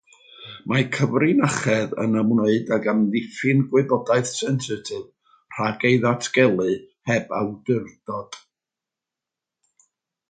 Mae cyfrinachedd yn ymwneud ag amddiffyn gwybodaeth sensitif rhag ei datgelu heb awdurdod.